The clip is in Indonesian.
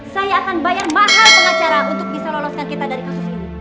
saya akan bayar mahal pengacara untuk bisa loloskan kita dari kasus ini